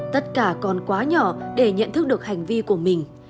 tất cả còn quá nhỏ để nhận thức được hành vi của mình